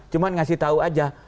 cuma ngasih tahu aja